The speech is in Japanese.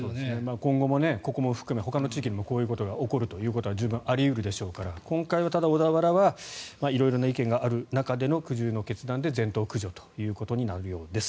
今後もここも含めてほかの地域でもこういうことが起こることは十分あり得るでしょうから今回は小田原は色々な意見がある中での苦渋の決断で全頭駆除となるようです。